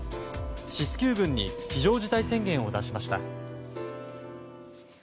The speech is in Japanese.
シスキュー郡に非常事態宣言を出しました。